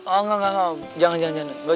oh enggak enggak jangan jangan